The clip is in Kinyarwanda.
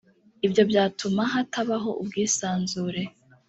ibyo byatuma hatabaho ubwisanzure